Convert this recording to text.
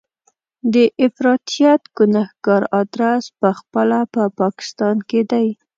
د افراطیت ګنهګار ادرس په خپله په پاکستان کې دی.